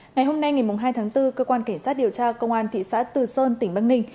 ngày hôm nay ngày hai tháng bốn cơ quan cảnh sát điều tra công an thị xã từ sơn tỉnh bắc ninh